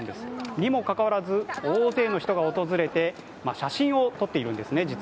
にもかかわらず大勢の人が訪れて写真を撮っているんですね。